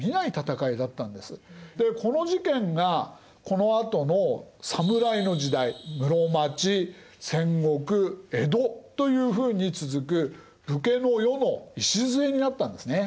でこの事件がこのあとの侍の時代室町・戦国・江戸というふうに続く武家の世の礎になったんですね。